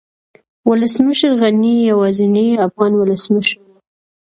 ولسمشر غني يوازينی افغان ولسمشر و